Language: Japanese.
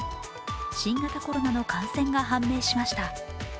新型コロナの感染が判明しました。